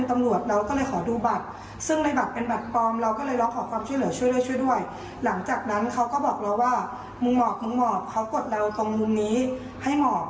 มึงหมอบมึงหมอบเขากดเล่าตรงมุมนี้ให้หมอบ